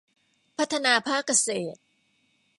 พัฒนาภาคเกษตร